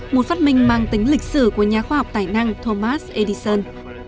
một phát minh mang tính lịch sử của nhà khoa học tài năng thomas edison